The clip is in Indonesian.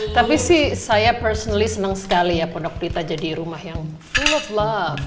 tapi sih saya personally seneng sekali ya pondok rita jadi rumah yang full of love